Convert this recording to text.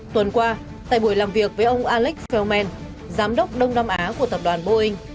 tuần qua tại buổi làm việc với ông alex feldman giám đốc đông nam á của tập đoàn boeing